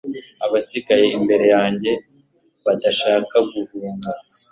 Abasigaye imbere yanjye badashaka guhunga